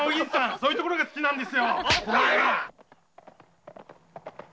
そういうところが好きなんです。